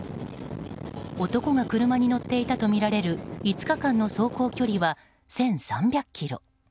男が車に乗っていたとみられる５日間の走行距離は１３００ｋｍ。